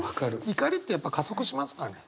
怒りってやっぱ加速しますかね。